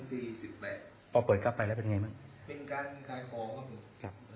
สี่สิบแปดพอเปิดกลับไปแล้วเป็นไงมั้งเป็นการขายของครับผมครับ